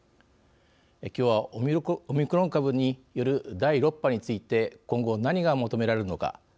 きょうはオミクロン株による第６波について今後、何が求められるのか。